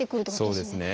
そうですね。